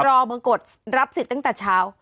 รอมากดรับสิตตั้งแต่เช้า